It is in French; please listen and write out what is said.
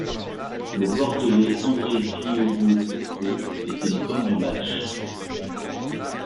Le Bordelais André Biyogo Poko est élu homme du match.